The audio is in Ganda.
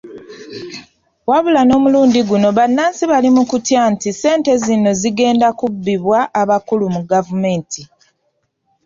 Wabula n'omulundi guno bannansi bali mukutya nti ssente zino zigenda kubbibwa abakulu mu gavumenti.